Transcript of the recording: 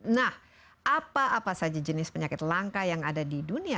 nah apa apa saja jenis penyakit langka yang ada di dunia